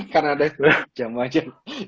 karena ada jamu ajaib